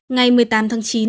ngày một mươi tám tháng chín